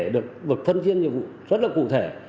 được phân tiến nhiệm vụ rất là cụ thể